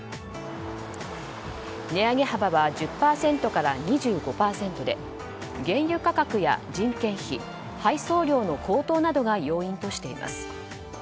値上げ幅は１０％から２５％で原油価格や人件費配送料の高騰などが要因としています。